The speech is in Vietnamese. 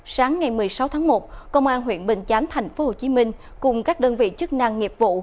sáng ngày một mươi sáu tháng một công an huyện bình chánh tp hcm cùng các đơn vị chức năng nghiệp vụ